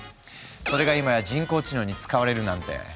それが今や人工知能に使われるなんて。